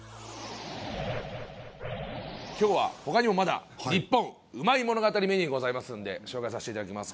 今日は他にもまだニッポンうまい物語メニューございますんで紹介させていただきます